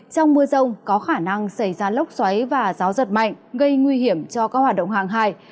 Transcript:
trong mưa rông có khả năng xảy ra lốc xoáy và gió giật mạnh gây nguy hiểm cho các hoạt động hàng hải